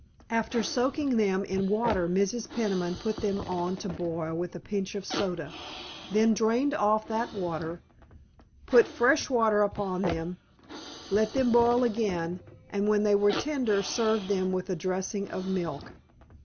After soaking them in water Mrs. Peniman put them on to boil with a pinch of soda, then drained off that water, put fresh water upon them, let them boil again, and when they were tender served them with a dressing of milk.